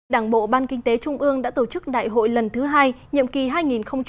đảng bộ ban kinh tế trung ương đã tổ chức đại hội lần thứ hai nhiệm kỳ hai nghìn hai mươi hai nghìn hai mươi năm